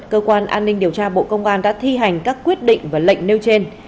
cơ quan an ninh điều tra bộ công an đã thi hành các quyết định và lệnh nêu trên